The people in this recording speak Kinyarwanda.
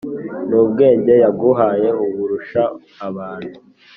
n'ubwenge yaguhaye uburusha abantu.